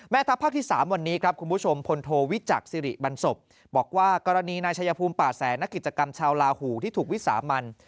ทัพภาคที่๓วันนี้ครับคุณผู้ชมพลโทวิจักษิริบันศพบอกว่ากรณีนายชายภูมิป่าแสนนักกิจกรรมชาวลาหูที่ถูกวิสามัน